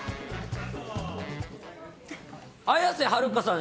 綾瀬はるかさん